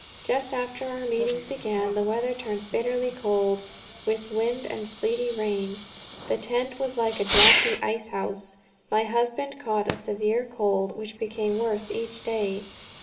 Just after our meetings began the weather turned bitterly cold, with wind and sleety rain. The tent was like a drafty ice house. My husband caught a severe cold, which became worse each day.